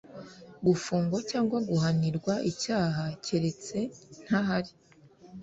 gufungwa cyangwa guhanirwa icyaha keretse ntahari